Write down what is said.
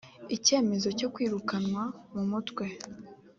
icyemezo cyo kwirukanwa mu mutwe